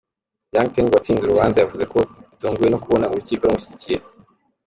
Yang Teng watsinze urubanza yavuze ko yatunguwe no kubona urukiko rumushyigikira.